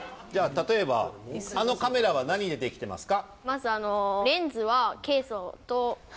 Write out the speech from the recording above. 例えばあのカメラは何でできてますか？